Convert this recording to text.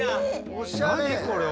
おしゃれ！